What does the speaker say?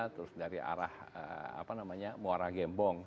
terus dari arah apa namanya muara gembong